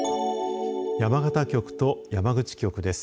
山形局と山口局です。